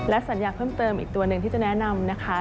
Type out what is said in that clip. สัญญาเพิ่มเติมอีกตัวหนึ่งที่จะแนะนำนะคะ